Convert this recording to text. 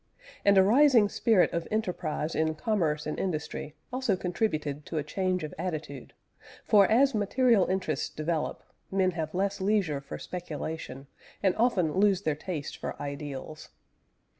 And a rising spirit of enterprise in commerce and industry also contributed to a change of attitude, for as material interests develop, men have less leisure for speculation, and often lose their taste for ideals.